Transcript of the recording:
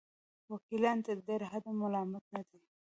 وکیلان تر ډېره حده ملامت نه دي.